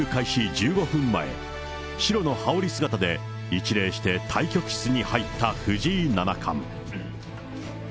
１５分前、白の羽織姿で一礼して対局室に入った藤井七冠。